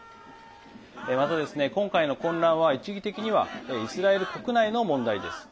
また、今回の混乱は一義的にはイスラエル国内の問題です。